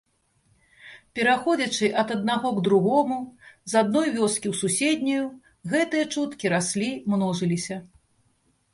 Пераходзячы ад аднаго к другому, з адной вёскі ў суседнюю, гэтыя чуткі раслі, множыліся.